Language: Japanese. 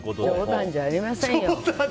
冗談じゃありませんよ。